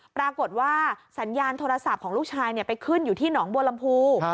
ปรากฏว่าสัญญาณโทรศัพท์ของลูกชายไปขึ้นอยู่ที่หนองบัวลำพู